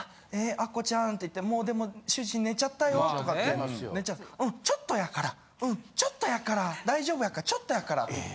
アッコちゃん」って言って「もうでも主人寝ちゃったよ」とかって「うんちょっとやからうんちょっとやから大丈夫やからちょっとやから」って言って。